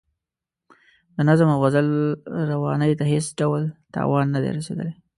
د نظم او غزل روانۍ ته هېڅ ډول تاوان نه دی رسیدلی.